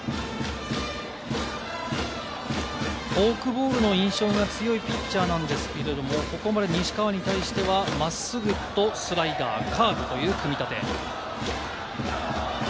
フォークボールの印象が強いピッチャーなんですけれども、ここまで西川に対しては真っすぐとスライダー、カーブという組み立て。